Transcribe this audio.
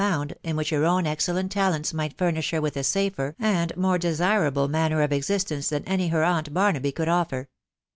found, in which her own excellent talents might furnish her with a safer and more desirable manner of existence than any her aunt Barnaby could offer.